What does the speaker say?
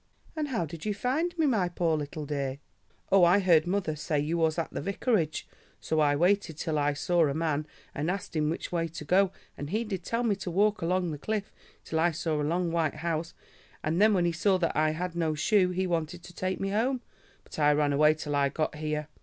"And how did you find me, my poor little dear?" "Oh, I heard mother say you was at the Vicarage, so I waited till I saw a man, and asked him which way to go, and he did tell me to walk along the cliff till I saw a long white house, and then when he saw that I had no shoe he wanted to take me home, but I ran away till I got here.